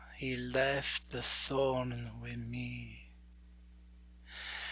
he left the thorn wi' me.